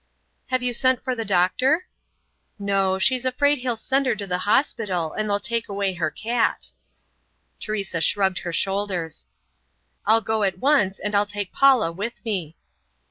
"Have you sent for the doctor?" "No; she's afraid he'll send her to the hospital and they'll take away her cat." Teresa shrugged her shoulders. "I'll go at once, and I'll take Paula with me."